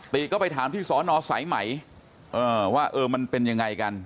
ก็ไปถามที่สอนอสายไหมว่าเออมันเป็นยังไงกัน